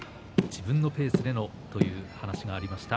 自分のペースでという話がありました。